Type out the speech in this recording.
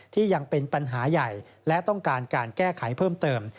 ยังเป็นปัญหาใหญ่และต้องการการแก้ไขเพิ่มเติม